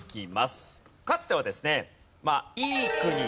かつてはですね。